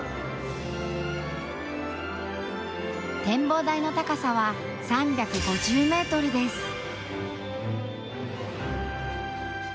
展望台の高さは３５０ｍです。